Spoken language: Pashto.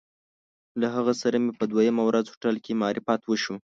له هغه سره مې په دویمه ورځ هوټل کې معرفت وشو.